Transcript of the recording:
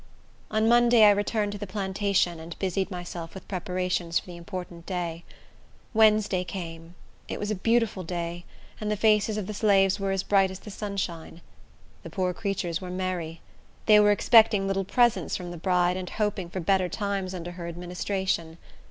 On Monday I returned to the plantation, and busied myself with preparations for the important day. Wednesday came. It was a beautiful day, and the faces of the slaves were as bright as the sunshine. The poor creatures were merry. They were expecting little presents from the bride, and hoping for better times under her administration.